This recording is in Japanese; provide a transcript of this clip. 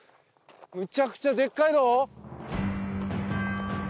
むちゃくちゃでっかいどう！